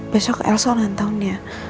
besok elsa ulang tahun ya